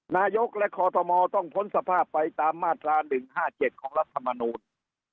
นายกและคอทมต้องพ้นสภาพไปตามมาตรา๑๕๗ของรัฐมนูล